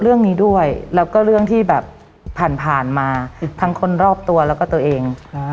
เรื่องนี้ด้วยแล้วก็เรื่องที่แบบผ่านผ่านมาทั้งคนรอบตัวแล้วก็ตัวเอง